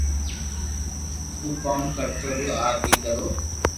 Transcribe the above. تو ڪوم ڪرتو رھيو آپ اي ڪرو